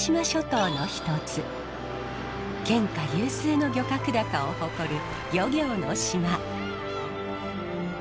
県下有数の漁獲高を誇る漁業の島。